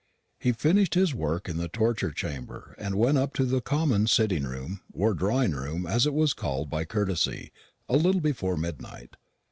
He finished his work in the torture chamber, and went up to the common sitting room, or drawing room as it was called by courtesy, a little before midnight.